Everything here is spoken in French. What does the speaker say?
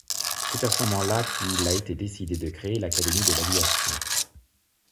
C'est à ce moment-là qu'il a été décidé de créer l'Académie de l'aviation.